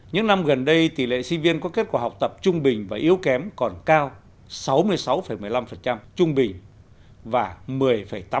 những năm gần đây tỷ lệ sinh viên có kết quả học tập trung bình và yếu kém còn cao sáu mươi sáu một mươi năm